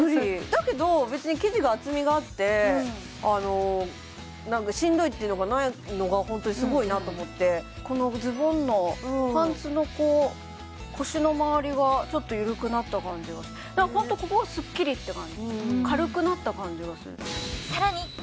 だけど別に生地が厚みがあってしんどいっていうのがないのがすごいなと思ってこのズボンのパンツの腰のまわりがちょっと緩くなった感じがホントここがスッキリって感じ軽くなった感じがする